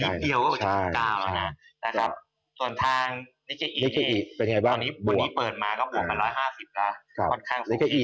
นะครับแต่ครับส่วนทางนิขีอีเป็นยังไงบ้างตอนนี้เค๋อีเปิดมาบวก๘๕๐นะค่อนข้างสุดยอด